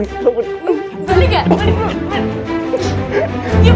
boleh nggak boleh bro